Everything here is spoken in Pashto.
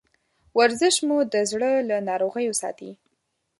ورزش مو د زړه له ناروغیو ساتي.